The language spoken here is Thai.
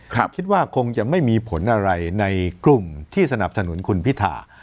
คิดว่าคงจะไม่มีผลอะไรในกลุ่มที่สนับสนุนคุณพิธา